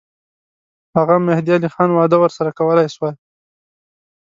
هغه مهدي علي خان وعده ورسره کولای سوای.